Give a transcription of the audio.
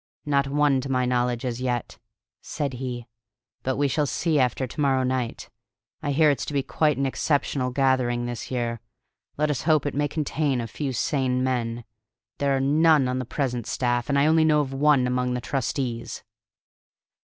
"Not one to my knowledge as yet," said he. "But we shall see after to morrow night. I hear it's to be quite an exceptional gathering this year; let us hope it may contain a few sane men. There are none on the present staff, and I only know of one among the trustees!"